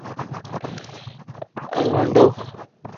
ایوانڈو